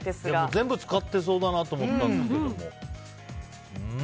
全部使ってそうだなと思ったんですけども。